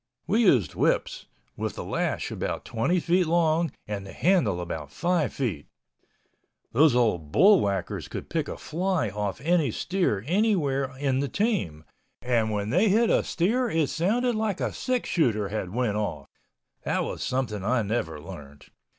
We used whips, with the lash about 20 feet long and the handle about 5 feet. Those old bullwhackers could pick a fly off any steer anywhere in the team, and when they hit a steer it sounded like a six shooter had went off—that was something I never learned.